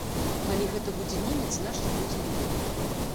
Калі гэта будзе немец, значыць, будзе ён.